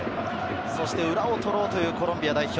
裏を取ろうというコロンビア代表。